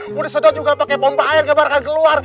muda sedot juga pake pompa air gabarkan keluar